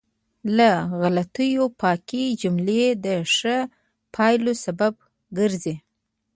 له غلطیو پاکې جملې د ښه پایلو سبب ګرځي.